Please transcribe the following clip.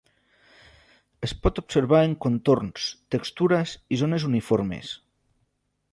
Es pot observar en contorns, textures i zones uniformes.